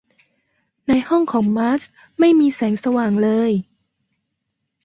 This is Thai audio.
ในห้องของมาร์ธไม่มีแสงสว่างเลย